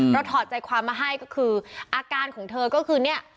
ถอดใจความมาให้ก็คืออาการของเธอก็คือเนี่ย